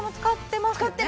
使ってます